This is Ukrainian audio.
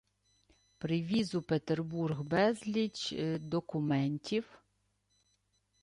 привіз у Петербург безліч… документів